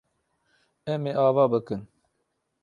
Em ê ava bikin.